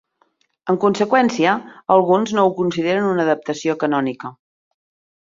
En conseqüència, alguns no ho consideren una adaptació canònica.